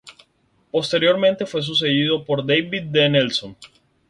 Posteriormente fue sucedido por David D. Nelson.